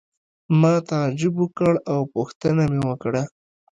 ما تعجب وکړ او پوښتنه مې وکړه.